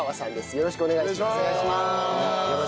よろしくお願いします。